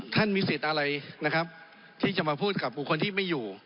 ท่านมีสิทธิ์อะไรนะครับที่จะมาพูดกับบุคคลที่ไม่อยู่